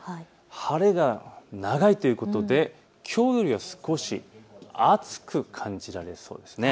晴れが長いということできょうよりは少し暑く感じられそうです。